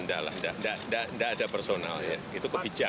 tidak ada personal itu kebijakan